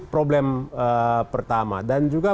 problem pertama dan juga